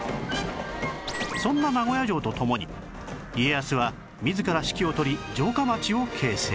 そんな名古屋城と共に家康は自ら指揮を執り城下町を形成